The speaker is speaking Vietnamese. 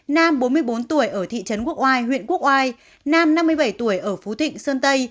nam bốn mươi bốn tuổi ở thị trấn quốc oai huyện quốc oai nam năm mươi bảy tuổi ở phú thịnh sơn tây